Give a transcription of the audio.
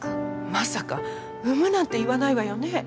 まさか産むなんて言わないわよね？